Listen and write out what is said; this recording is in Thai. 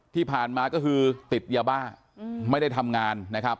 ที่ผ่านมาก็คือติดยาบ้าไม่ได้ทำงานนะครับ